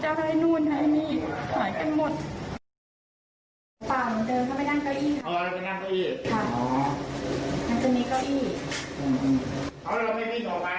จะวิ่งยังไงกับเขาที่มีอากาศคงมองผิดตั้งแต่๔นเย็น